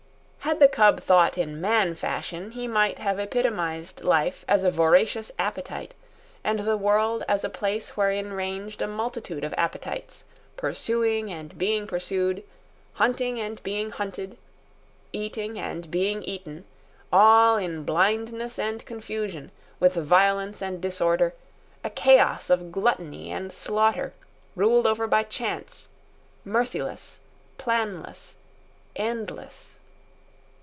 Had the cub thought in man fashion, he might have epitomised life as a voracious appetite and the world as a place wherein ranged a multitude of appetites, pursuing and being pursued, hunting and being hunted, eating and being eaten, all in blindness and confusion, with violence and disorder, a chaos of gluttony and slaughter, ruled over by chance, merciless, planless, endless.